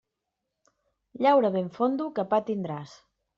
Llaura ben fondo que pa tindràs.